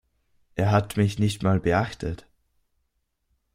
Er hat mich nicht mal beachtet.